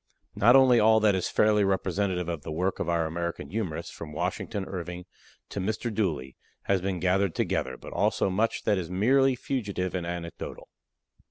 Not only all that is fairly representative of the work of our American humorists, from Washington Irving to "Mr. Dooley," has been gathered together, but also much that is merely fugitive and anecdotal.